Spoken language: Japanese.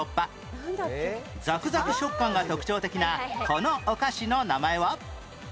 ザクザク食感が特徴的なこのお菓子の名前は？